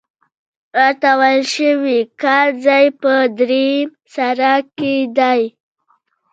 راته ویل شوي کار ځای په درېیم سړک کې دی.